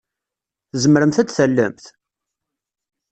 Tzemremt ad d-tallemt?